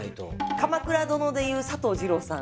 鎌倉殿でいう佐藤二朗さんみたいな。